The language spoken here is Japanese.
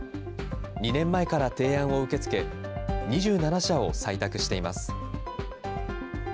２年前から提案を受け付け、２７社を採択しています。